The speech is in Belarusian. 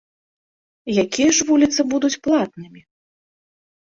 Якія ж вуліцы будуць платнымі?